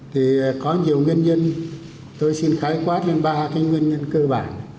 thì có nhiều nguyên nhân tôi xin khái quát lên ba cái nguyên nhân cơ bản